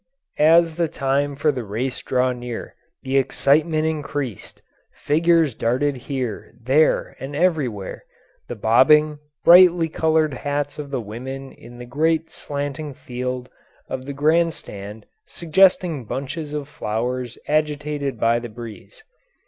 As the time for the race drew near the excitement increased, figures darted here, there and everywhere, the bobbing, brightly coloured hats of the women in the great slanting field of the grandstand suggesting bunches of flowers agitated by the breeze.